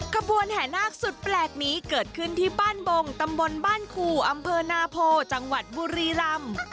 ขบวนแห่นาคสุดแปลกนี้เกิดขึ้นที่บ้านบงตำบลบ้านคูอำเภอนาโพจังหวัดบุรีรำ